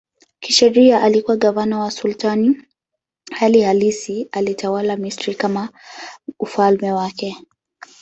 Kisheria alikuwa gavana wa sultani, hali halisi alitawala Misri kama ufalme wake.